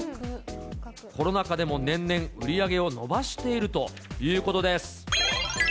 コロナ禍でも年々、売り上げを伸ばしているということです。